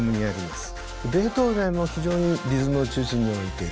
ベートーヴェンも非常にリズムを中心に置いている。